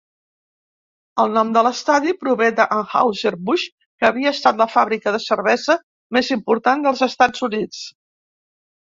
El nom de l'estadi prové d'Anheuser-Busch, que havia estat la fàbrica de cervesa més important dels Estats Units.